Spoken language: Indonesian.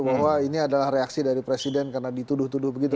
bahwa ini adalah reaksi dari presiden karena dituduh tuduh begitu